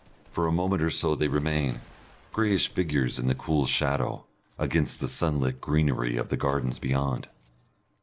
For a moment or so they remain, greyish figures in the cool shadow, against the sunlit greenery of the gardens beyond.